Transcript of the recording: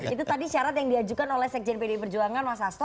itu tadi syarat yang diajukan oleh sekjen pdi perjuangan mas hasto